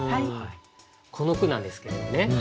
この句なんですけどね